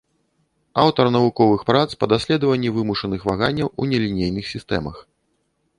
Аўтар навуковых прац па даследаванні вымушаных ваганняў у нелінейных сістэмах.